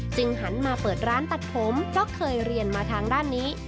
หันมาเปิดร้านตัดผมเพราะเคยเรียนมาทางด้านนี้